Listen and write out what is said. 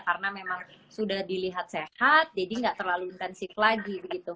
karena memang sudah dilihat sehat jadi gak terlalu intensif lagi